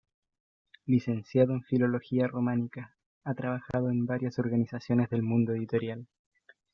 Licenciado en Filología Románica, ha trabajado en varias organizaciones del mundo editorial.